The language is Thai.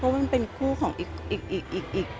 มันเป็นคู่ของอีก